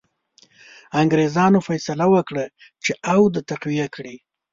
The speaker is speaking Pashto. انګرېزانو فیصله وکړه چې اود تقویه کړي.